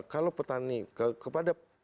kalau petani kepada